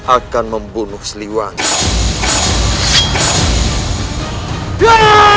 akan membunuh sliwana